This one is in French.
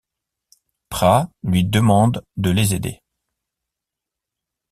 Pras lui demande de les aider.